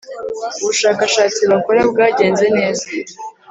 ubushakashatsi bakora bwagenze neza